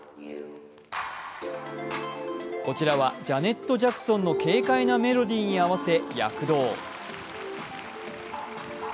こちらはジャネット・ジャクソンの軽快なメロディーに合わせ躍動。